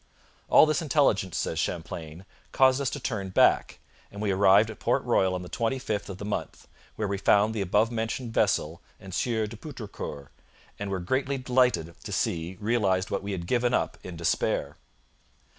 'All this intelligence,' says Champlain, 'caused us to turn back; and we arrived at Port Royal on the 25th of the month, where we found the above mentioned vessel and Sieur de Poutrincourt, and were greatly delighted to see realized what we had given up in despair.'